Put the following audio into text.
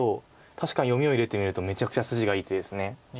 確かに読みを入れてみるとめちゃくちゃ筋がいい手です。